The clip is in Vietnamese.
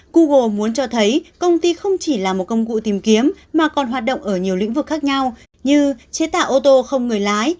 google muốn cho thấy công ty không chỉ là một công cụ tìm kiếm mà còn hoạt động ở nhiều lĩnh vực khác nhau như chế tạo ô tô không người lái